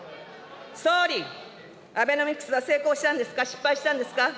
総理、アベノミクスは成功したんですか、失敗したんですか。